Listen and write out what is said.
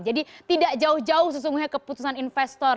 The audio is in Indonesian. jadi tidak jauh jauh sesungguhnya keputusan investor